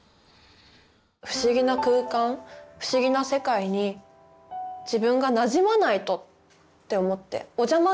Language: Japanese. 不思議な空間不思議な世界に自分がなじまないとって思って。